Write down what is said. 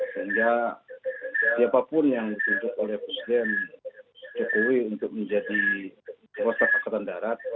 sehingga siapapun yang dituntut oleh presiden jokowi untuk menjadi kepala staf angkatan darat